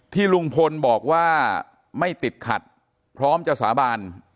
ลุงพลบอกว่าไม่ติดขัดพร้อมจะสาบาน